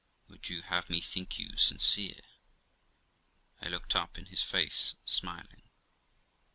Would you have me think you sincere?' I looked up in his face, smiling.